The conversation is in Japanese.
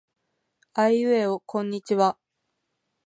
あいうえおこんにちは。